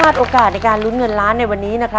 ตอนคืนนะคะ